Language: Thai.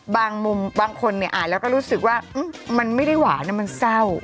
มุมบางคนอ่านแล้วก็รู้สึกว่ามันไม่ได้หวานมันเศร้า